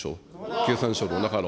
経産省の中の。